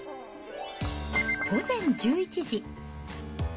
午前１１時。